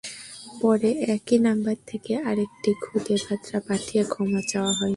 পরে একই নম্বর থেকে আরেকটি খুদে বার্তা পাঠিয়ে ক্ষমা চাওয়া হয়।